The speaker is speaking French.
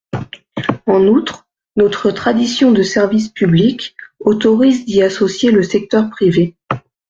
En outre, notre tradition de service public autorise d’y associer le secteur privé.